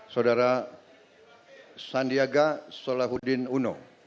saudara sandiaga solahuddin uno